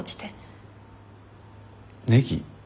ネギ？